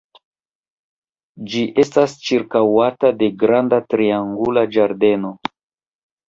Ĝi estas ĉirkaŭata de granda triangula ĝardeno.